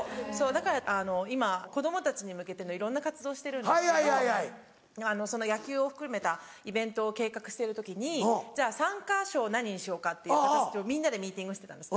だから今子供たちに向けてのいろんな活動してるんですけど野球を含めたイベントを計画してる時に参加賞を何にしようかってみんなでミーティングしてたんです。